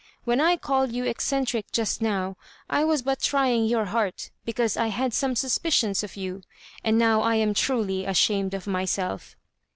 When I called you eccentric just now, I was but trying your heart, because I had some suspicions of you; and now I am truly ashamed of myself."